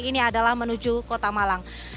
ini adalah menuju kota malang